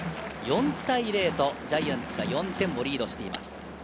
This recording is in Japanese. ４対０とジャイアンツが４点をリードしています。